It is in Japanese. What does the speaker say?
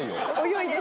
泳いで。